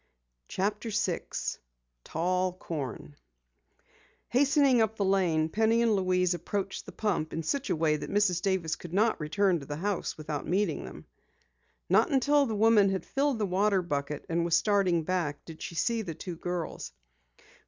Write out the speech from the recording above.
CHAPTER 6 TALL CORN Hastening up the lane, Penny and Louise approached the pump in such a way that Mrs. Davis could not return to the house without meeting them. Not until the woman had filled the water bucket and was starting back did she see the two girls.